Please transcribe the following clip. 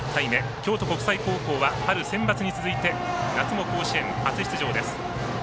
京都国際高校は春センバツに続き夏の甲子園、初出場です。